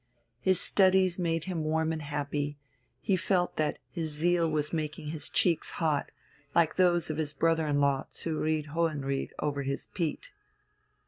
His studies made him warm and happy, he felt that his zeal was making his cheeks hot, like those of his brother in law zu Ried Hohenried over his peat.